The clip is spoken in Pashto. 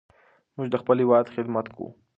موږ د خپل هېواد خدمت کوو.